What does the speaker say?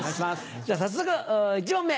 じゃあ早速１問目。